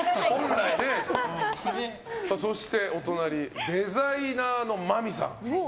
そして、お隣デザイナーのまみさん。